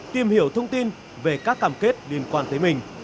tìm hiểu thông tin về các cam kết liên quan tới mình